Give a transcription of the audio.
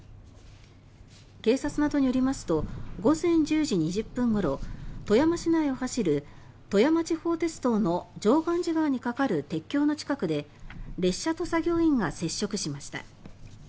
警察などによりますと午前１０時２０分ごろ富山市内を走る富山地方鉄道の常願寺川に架かる鉄橋の近くで列車と作業員が接触しました。